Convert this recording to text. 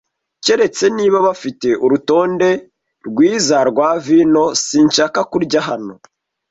Keretse niba bafite urutonde rwiza rwa vino, sinshaka kurya hano.